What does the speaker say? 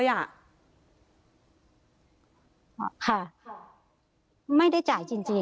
ถ้าพี่ถ้าพี่ถ้าพี่